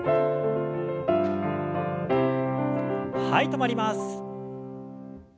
はい止まります。